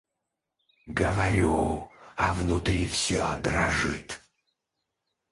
Говорю, а внутри все дрожит.